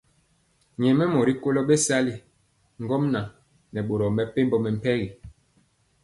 Nyɛmemɔ rikolo bɛsali ŋgomnaŋ nɛ boro mepempɔ mɛmpegi.